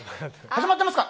始まってますか！